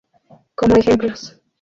Como ejemplos